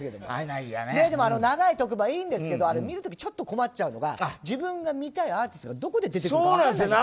長い特番、いいんですけど見る時困っちゃうのが自分が見たいアーティストがどこで出てくるか分からない。